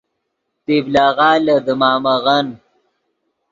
طبلغہ لے دیمامغن